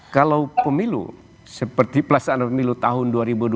kalau pemilu seperti pelaksanaan pemilu tahun dua ribu dua puluh